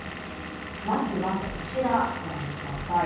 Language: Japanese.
まずはこちら、ご覧ください。